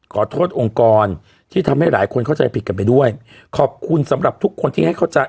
ขอโทษองค์กรที่ทำให้หลายคนเข้าใจผิดกันไปด้วยขอบคุณสำหรับทุกคนที่ให้เข้าใจ